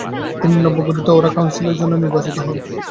তিনি নব্য গঠিত বরা কাউন্সিলের জন্য নির্বাচিত হন।